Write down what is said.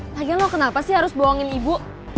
pangeran lo kenapa sih harus bohongin ibu